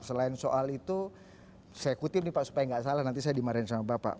selain soal itu saya kutip nih pak supaya nggak salah nanti saya dimarahin sama bapak